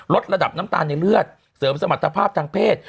ลดระดับน้ำตาลในเลือดเสริมสมรรถภาพทางเพศ